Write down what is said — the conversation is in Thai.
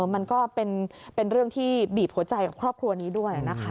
มันก็เป็นเรื่องที่บีบหัวใจกับครอบครัวนี้ด้วยนะคะ